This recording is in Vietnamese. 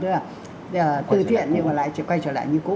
từ thiện thì lại quay trở lại như cũ